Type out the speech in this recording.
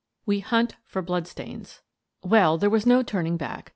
WE HUNT FOR BLOOD STAINS Well, there was now no turning back.